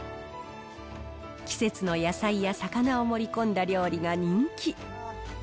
季節の野菜や魚を盛り込んだ料理が人気。